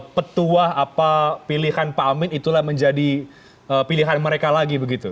tapi kemudian tersentral bahwa apa petuah apa pilihan pak amin itulah menjadi pilihan mereka lagi begitu